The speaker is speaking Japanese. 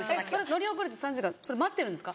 乗り遅れた３時間って待ってるんですか